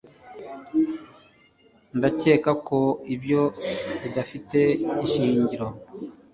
ndakeka ko ibyo bidafite ishingiro